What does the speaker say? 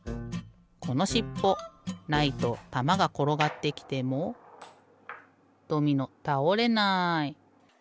このしっぽないとたまがころがってきてもドミノたおれない。